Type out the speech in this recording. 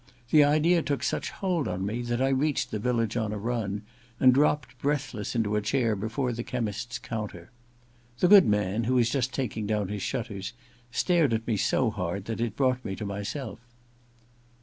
The idea took such hold on me that I reached the village on a run, and dropped breathless into a chair before the chemist's counter. The good man, who was just taking down his shutters, stared at me so hard that it brought me to myself.